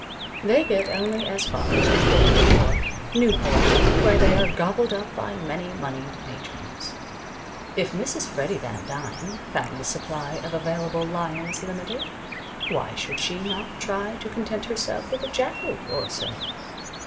They get only as far as New York, or Newport, where they are gobbled up by many moneyed matrons. If Mrs. Freddy Van Dyne found the supply of available lions limited, why should she not try to content herself with a jackal or so?